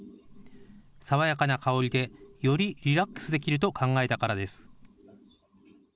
爽やかな香りで、よりリラックスできると考えたからです。